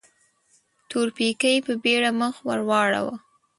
تورپيکۍ په بيړه مخ ور واړاوه.